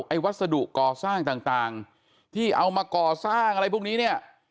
วัสดุก่อสร้างต่างที่เอามาก่อสร้างอะไรพวกนี้เนี่ย